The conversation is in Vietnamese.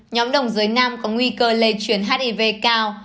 nhóm người đồng giới nam có nguy cơ lây chuyển hiv cao